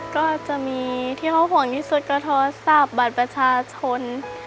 ก็จะมีที่เขาห่วงที่สุดก็เทาะสาบบัตรประชาชนค่ะ